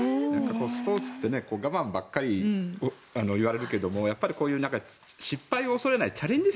スポーツって我慢ばっかり言われるけれどもこういう失敗を恐れないチャレンジ